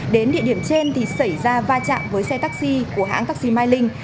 đến địa điểm trên thì xảy ra va chạm với xe taxi của hãng taxi mai linh